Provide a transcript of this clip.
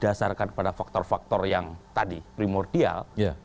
berdasarkan pada faktor faktor yang tadi primordial